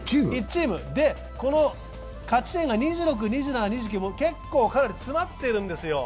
この勝ち点が２６、２７、２９、結構詰まってるんですよ。